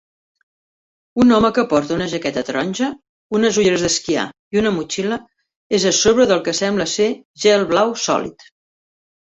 Un home que porta una jaqueta taronja, unes olleres d'esquiar i una motxilla és a sobre del que sembla ser gel blau sòlid